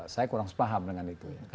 saya kurang sepaham dengan itu